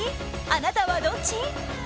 あなたはどっち？